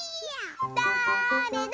だれだ？